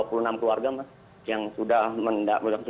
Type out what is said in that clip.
nah apakah ke dua puluh enam keluarga terdata mas yang sudah terdata mas